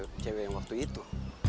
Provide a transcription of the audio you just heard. ini kan cewek cewek yang waktu itu